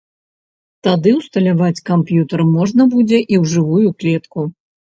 Тады ўсталяваць камп'ютар можна будзе і ў жывую клетку.